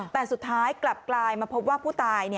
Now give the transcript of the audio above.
แต่สุดท้ายกลับกลายมาพบว่าผู้ตาย